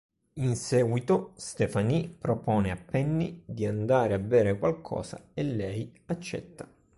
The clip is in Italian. In seguito Stephanie propone a Penny di andare a bere qualcosa, e lei accetta.